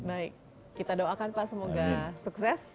baik kita doakan pak semoga sukses